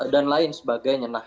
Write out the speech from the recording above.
dan lain sebagainya